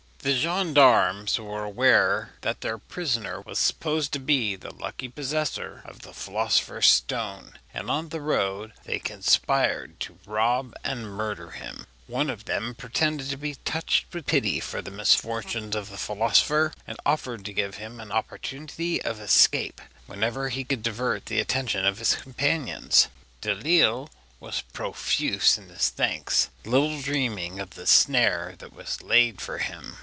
The gendarmes were aware that their prisoner was supposed to be the lucky possessor of the philosopher's stone, and on the road they conspired to rob and murder him. One of them pretended to be touched with pity for the misfortunes of the philosopher, and offered to give him an opportunity of escape whenever he could divert the attention of his companions. Delisle was profuse in his thanks, little dreaming of the snare that was laid for him.